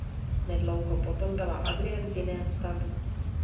Nedlouho potom byla Adrian v jiném stavu.